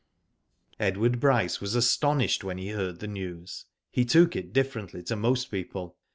Edward Bryce was astonished when he heard the news. He took it differently to most people.